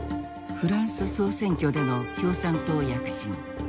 フランス総選挙での共産党躍進。